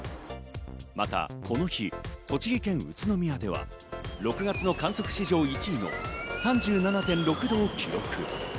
またこの日、栃木県宇都宮では６月の観測史上１位の３７．６度を記録。